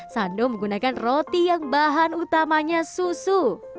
sandow menggunakan roti yang bahan utamanya susu